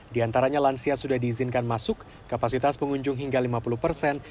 di antaranya lansia sudah diizinkan masuk kapasitas pengunjung hingga lima puluh persen